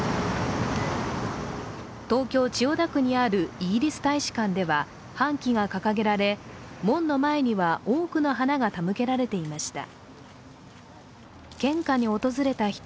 東京・千代田区にあるイギリス大使館では半旗が掲げられ、門の前には多くの花が手向けられていました。